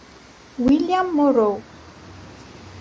William Morrow